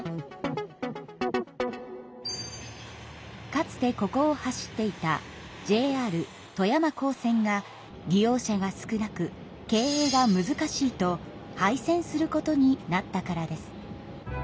かつてここを走っていたＪＲ富山港線が利用者が少なく経営がむずかしいと廃線することになったからです。